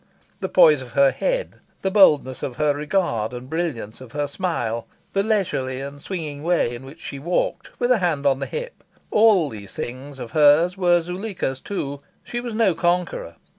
The poise of her head, the boldness of her regard and brilliance of her smile, the leisurely and swinging way in which she walked, with a hand on the hip all these things of hers were Zuleika's too. She was no conqueror.